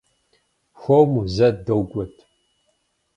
Хуэму, зэ догуэт!